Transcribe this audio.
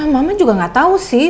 mama juga nggak tahu sih